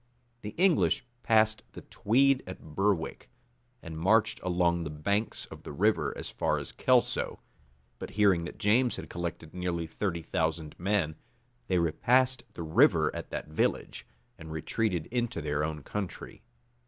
The English passed the Tweed at Berwick, and marched along the banks of the river as far as Kelso; but hearing that James had collected near thirty thousand men, they repassed the river at that village, and retreated into their own country.